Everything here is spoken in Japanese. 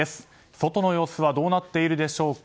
外の様子はどうなっているでしょうか。